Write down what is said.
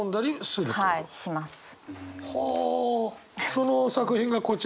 その作品がこちら。